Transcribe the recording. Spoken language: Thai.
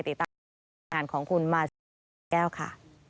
ติดตามการของคุณมาซีแก้วค่ะ